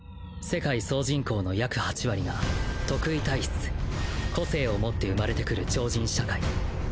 世界総人口の約８割が特異体質個性を持って生まれてくる超人社会。